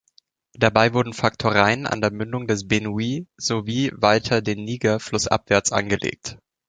Dabei wurden Faktoreien an der Mündung des Benue sowie weiter den Niger flussabwärts angelegt.